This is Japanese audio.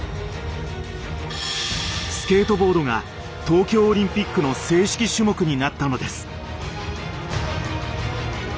スケートボードが東京オリンピックの正式種目になったのです。